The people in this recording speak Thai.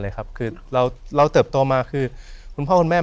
อ๋อรู้เรื่องเหมือนกันเลยครับ